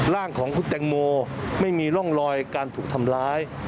ร่างของคุณแตงโมไม่มีร่องรอยการถูกทำร้าย